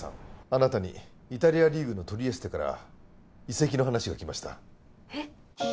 あなたにイタリアリーグのトリエステから移籍の話が来ましたえっ？